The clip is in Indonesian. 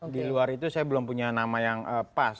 di luar itu saya belum punya nama yang pas